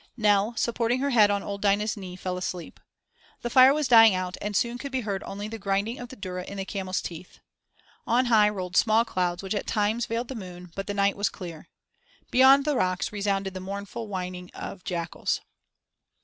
Nell, supporting her head on old Dinah's knee, fell asleep. The fire was dying out and soon could be heard only the grinding of the durra in the camels' teeth. On high rolled small clouds which at times veiled the moon, but the night was clear. Beyond the rocks resounded the mournful whining of jackals.